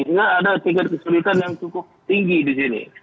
sehingga ada tingkat kesulitan yang cukup tinggi di sini